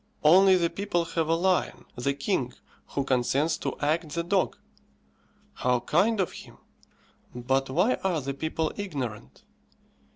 Only the people have a lion, the king, who consents to act the dog. How kind of him! But why are the people ignorant?